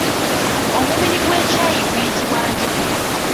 Omubiri gw’ekyayi guyitibwa Njoka.